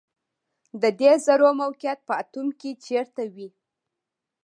د دې ذرو موقعیت په اتوم کې چیرته وي